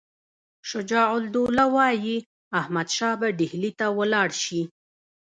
شجاع الدوله وایي احمدشاه به ډهلي ته ولاړ شي.